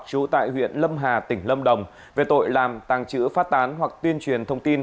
trú tại huyện lâm hà tỉnh lâm đồng về tội làm tàng trữ phát tán hoặc tuyên truyền thông tin